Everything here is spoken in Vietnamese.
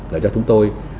để cho chúng tôi